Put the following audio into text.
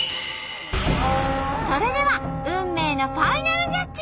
それでは運命のファイナルジャッジ！